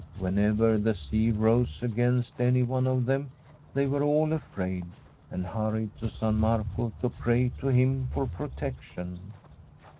Whenever the sea rose against any one of them they were all afraid, and hurried to San Marco to pray to him for protection.